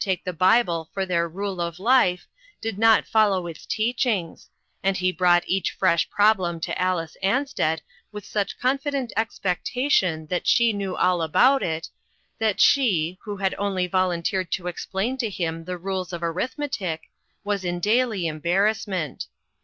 take the Bible for their rule of life, did not follow its teachings, and he brought each fresh problem to Alice Ansted with such confident expectation that she knew all about it, that she, who had only volunteered to explain to him the rules of arithmetic, was in daily embarrassment.